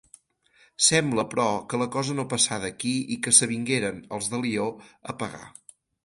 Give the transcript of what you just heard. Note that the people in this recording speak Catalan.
Sembla, però, que la cosa no passà d'aquí i que s'avingueren, els d'Alió, a pagar.